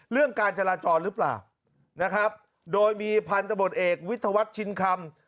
เรื่องการจราจรหรือเปล่านะครับโดยมีพันธบทเอกวิทยาวัฒน์ชินคำ